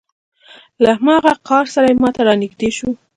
له هماغه قهره سره ما ته را نږدې شو.